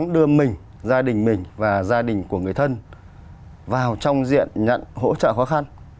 đưa mình gia đình mình và gia đình của người thân vào trong diện nhận hỗ trợ khó khăn